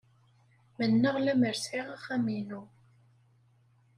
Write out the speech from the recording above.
Mennaɣ lemmer sɛiɣ axxam-inu.